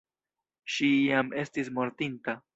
Ŝi jam estis mortinta.